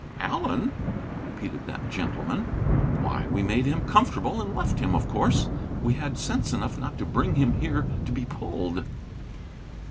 "Allen?" repeated that gentleman, "why, we made him comfortable and left him, of course. We had sense enough not to bring him here to be pulled."